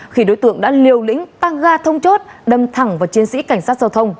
khi đối tượng đã liều lĩnh tăng ga thông chốt đâm thẳng vào chiến sĩ cảnh sát giao thông